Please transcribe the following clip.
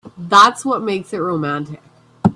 That's what makes it romantic.